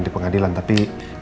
di pengadilan tapi